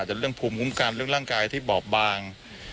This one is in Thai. แต่เรื่องภูมิคุ้มกันเรื่องร่างกายที่บอบบาง